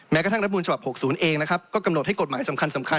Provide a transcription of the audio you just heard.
แม้กระทั่งรัฐมูลฉบับหกศูนย์เองนะครับก็กำหนดให้กฎหมายสำคัญสำคัญ